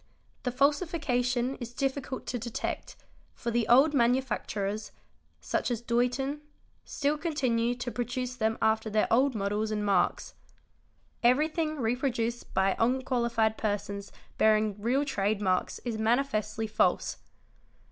The falsification is difficult to detect, for the old manufacturers (such as Doulton) still continue to produce them after their old models and marks. Everything re _ produced by unqualified persons bearing real trade marks is manifestly false.